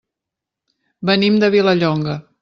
Venim de Vilallonga.